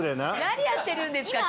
何やってるんですか？